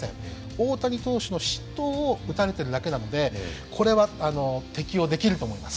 大谷投手の失投を打たれてるだけなのでこれは適応できると思います。